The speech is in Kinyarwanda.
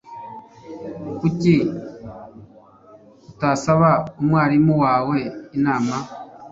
Kuki utasaba umwarimu wawe inama?